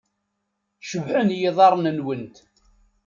Cebḥen yiḍarren-nwent.